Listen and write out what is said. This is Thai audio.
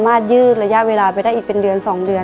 ในแคมเปญพิเศษเกมต่อชีวิตโรงเรียนของหนู